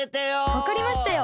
わかりましたよ。